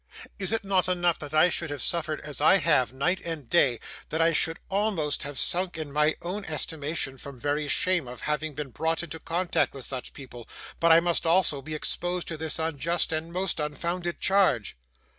Is it not enough that I should have suffered as I have, night and day; that I should almost have sunk in my own estimation from very shame of having been brought into contact with such people; but must I also be exposed to this unjust and most unfounded charge!